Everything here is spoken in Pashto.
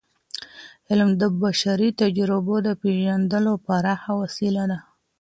علم د بشري تجربو د پیژندلو پراخه وسیله ده.